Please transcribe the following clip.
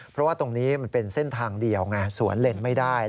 เพราะว่าตรงนี้มันเป็นเส้นทางเดียวไงสวนเลนไม่ได้